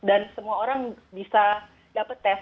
dan semua orang bisa dapat tes